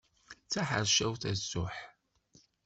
D taḥercawt azuḥ.